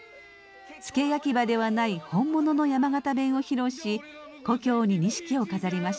付け焼き刃ではない本物の山形弁を披露し故郷に錦を飾りました。